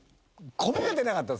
米出なかった。